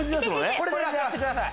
これで出してください。